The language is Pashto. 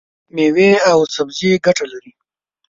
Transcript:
مېوې او سبزي ګټه لري.